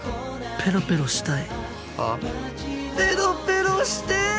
ペロペロしたい！